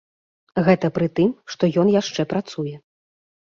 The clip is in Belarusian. Гэта пры тым, што ён яшчэ працуе.